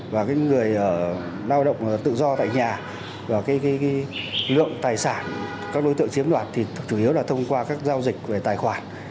và người lao động tự do tại nhà và lượng tài sản các đối tượng chiếm đoạt thì chủ yếu là thông qua các giao dịch về tài khoản